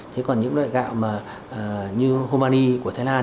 thế còn những loại gạo mà như homani của thái lan